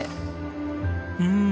うん！